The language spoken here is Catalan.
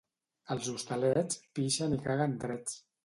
Als Hostalets pixen i caguen drets.